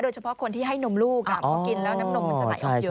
เฉพาะคนที่ให้นมลูกพอกินแล้วน้ำนมมันจะไหลออกเยอะ